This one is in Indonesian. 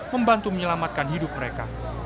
membantu menyelamatkan hidup mereka